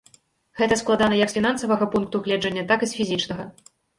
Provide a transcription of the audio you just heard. Гэта складана як з фінансавага пункту гледжання, так і з фізічнага.